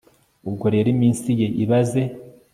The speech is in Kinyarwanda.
ubwo rero iminsi ye ibaze